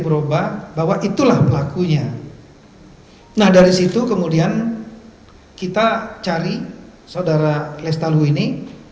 jadi berubah bahwa itulah pelakunya nah dari situ kemudian kita cari saudara lestalluhu ini